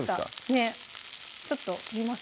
ちょっと見ます？